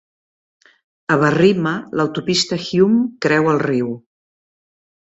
A Berrima, l'autopista Hume creua el riu.